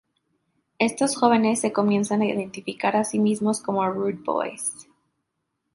Estos jóvenes se comienzan a identificar a sí mismos como "rude boys".